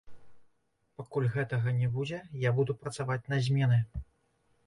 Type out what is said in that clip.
Пакуль гэтага не будзе, я буду працаваць на змены.